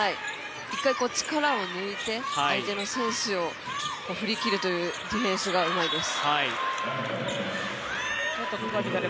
一回、力を抜いて相手の選手を振り切るというディフェンスがうまいです。